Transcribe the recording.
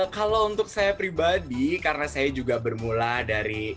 kalau untuk saya pribadi karena saya juga bermula dari